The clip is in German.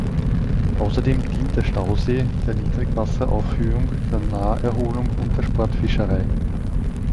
Außerdem dient der Stausee der Niedrigwasseraufhöhung, der Naherholung und der Sportfischerei.